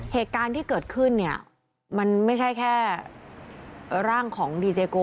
เหตุการณ์ที่เกิดขึ้นเนี่ยมันไม่ใช่แค่ร่างของดีเจโก